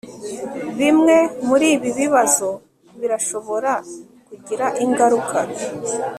Bimwe muribi bibazo birashobora kugira ingaruka